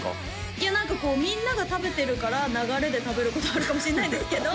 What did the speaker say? いや何かこうみんなが食べてるから流れで食べることはあるかもしれないですけど